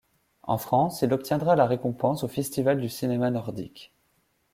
En France, il obtiendra la récompense au Festival du cinéma nordique.